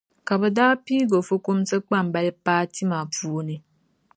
Ka bi daa pii o fukumsi kpambali paa tima puuni.